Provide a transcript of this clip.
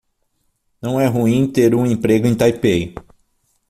Não é ruim ter um emprego em Taipei.